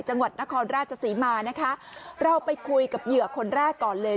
จังหวัดนครราชศรีมานะคะเราไปคุยกับเหยื่อคนแรกก่อนเลย